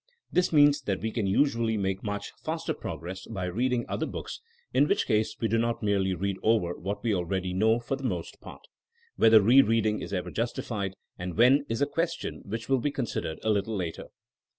This means that we can usually make much faster progress by reading other books, in which case we do not merely read over what we already know for the most part. Whether re reading is ever justified, and when, is a question which will be considered a little later.